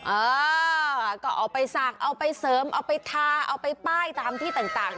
เออก็เอาไปสักเอาไปเสริมเอาไปทาเอาไปป้ายตามที่ต่าง